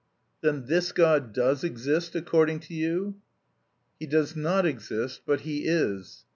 "Then this God does exist according to you?" "He does not exist, but He is.